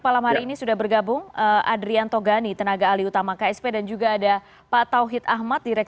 pak adri terima kasih banyak